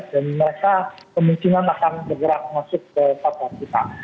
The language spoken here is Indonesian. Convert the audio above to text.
dan mereka kemungkinan akan bergerak masuk ke pasar kita